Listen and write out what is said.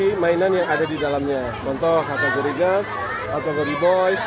dari mainan yang ada di dalamnya contoh kategori gas kategori boys